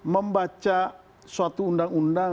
membaca suatu undang undang